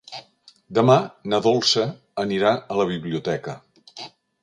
Demà na Dolça anirà a la biblioteca.